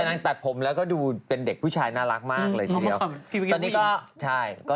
แต่นั่งตัดผมแล้วก็ดูเป็นเด็กผู้ชายน่ารักมากเลย